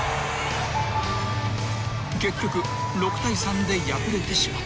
［結局６対３で敗れてしまった］